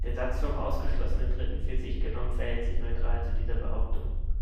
Der Satz vom ausgeschlossenen Dritten für sich genommen verhält sich neutral zu dieser Behauptung.